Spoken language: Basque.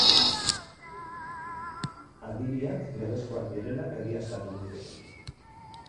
Agiriak legezkoak direla egiaztatu dute.